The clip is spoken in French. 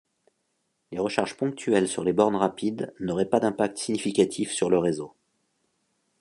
Les recharges ponctuelles sur les bornes rapides n’auraient pas d’impact significatif sur le réseau.